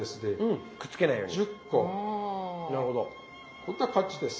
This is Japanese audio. こんな感じです。